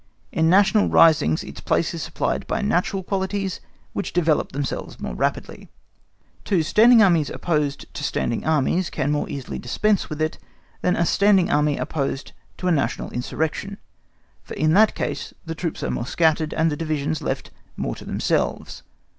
In national risings its place is supplied by natural qualities, which develop themselves there more rapidly. 2. Standing Armies opposed to standing Armies, can more easily dispense with it, than a standing Army opposed to a national insurrection, for in that case, the troops are more scattered, and the divisions left more to themselves.